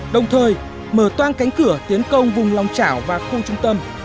đồng thời mở toan cánh cửa tiến công vùng lòng trảo và khung trung tâm